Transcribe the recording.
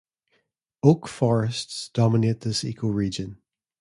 Oak forests dominate this ecoregion.